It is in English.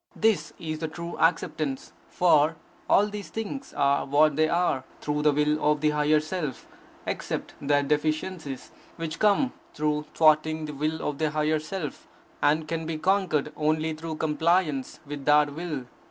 This is the true acceptance, for all these things are what they are through the will of the higher Self, except their deficiencies, which come through thwarting the will of the higher Self, and can be conquered only through compliance with that will.